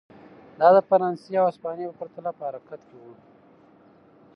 دا د فرانسې او هسپانیې په پرتله په حرکت کې و.